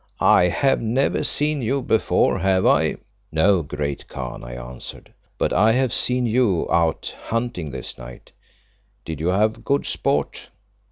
I have never seen you before, have I?" "No, great Khan," I answered, "but I have seen you out hunting this night. Did you have good sport?"